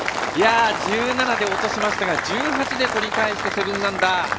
１７で落としましたが１８で取り返して７アンダー。